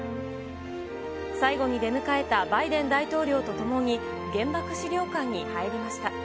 最後に出迎えたバイデン大統領と共に、原爆資料館に入りました。